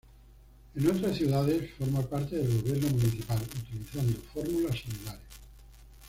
En otras ciudades forma parte del gobierno municipal utilizando fórmulas similares.